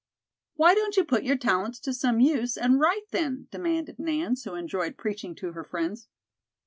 "Why don't you put your talents to some use and write, then?" demanded Nance, who enjoyed preaching to her friends.